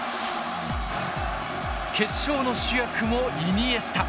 決勝の主役もイニエスタ。